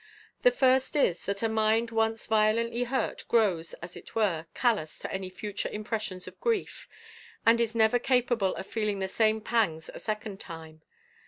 The first is, that a mind once violently hurt grows, as it were, callous to any future impressions of grief, and is never capable of feeling the same pangs a second time.